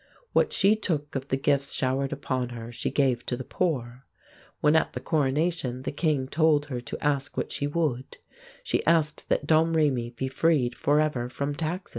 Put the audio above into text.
What she took of the gifts showered upon her she gave to the poor. When at the coronation the king told her to ask what she would, she asked that Domrémy be freed forever from taxes.